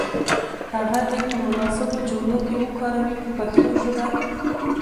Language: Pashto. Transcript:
هغه دې په مناسبو جملو کې وکاروي په پښتو ژبه.